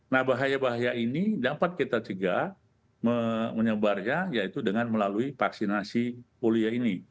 nah bahaya bahaya ini dapat kita cegah menyebarnya yaitu dengan melalui vaksinasi polia ini